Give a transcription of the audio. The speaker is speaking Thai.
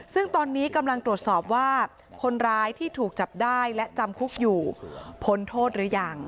ซึ่งตอนนี้กำลังตรวจสอบว่าคนร้ายที่ถูกจับได้และจำคุกอยู่พ้นโทษหรือยัง